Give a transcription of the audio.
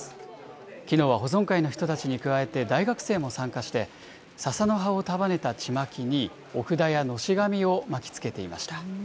きのうは保存会の人たちに加え、大学生も参加して、ささの葉を束ねたちまきに、お札やのし紙を巻きつけていました。